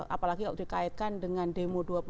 apalagi kalau dikaitkan dengan demo dua puluh satu